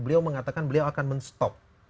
beliau mengatakan beliau akan men stop